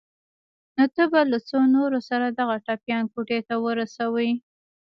نو ته به له څو نورو سره دغه ټپيان کوټې ته ورسوې.